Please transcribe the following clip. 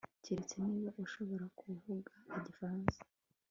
keretse niba ushobora kuvuga igifaransa